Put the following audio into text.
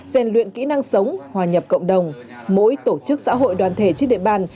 gian luyện kỹ năng sống hòa nhập cộng đồng mỗi tổ chức xã hội đoàn thể trên địa bàn